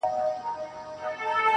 د پتڼ له سرې لمبې نه څه پروا ده-